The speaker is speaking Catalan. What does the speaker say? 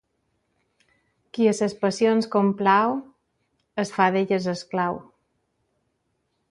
Qui a les passions complau, es fa d'elles esclau.